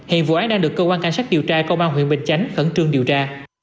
hiện vụ án đang được cơ quan cảnh sát điều tra công an huyện bình chánh khẩn trương điều tra